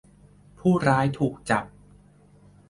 ผู้ร้ายถูกจับ